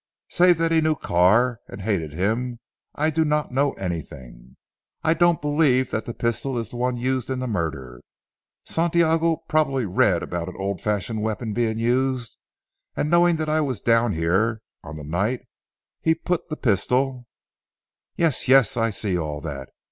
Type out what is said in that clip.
Save that he knew Carr and hated him I do not know anything. I don't believe that the pistol is the one used in the murder. Santiago probably read about an old fashioned weapon being used, and knowing that I was down here on the night put that pistol " "Yes! Yes, I see all that.